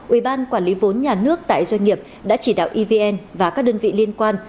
ubnd quản lý vốn nhà nước tại doanh nghiệp đã chỉ đạo evn và các đơn vị liên quan